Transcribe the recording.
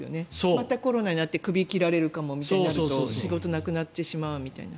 またコロナになってクビを切られるかもみたいになると仕事なくなってしまうみたいな。